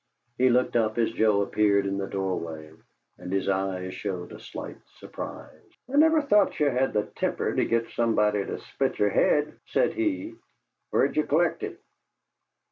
He looked up as Joe appeared in the doorway, and his eyes showed a slight surprise. "I never thought ye had the temper to git somebody to split yer head," said he. "Where'd ye collect it?"